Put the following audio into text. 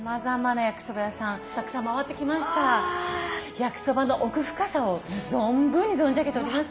焼きそばの奥深さを存分に存じ上げておりますので。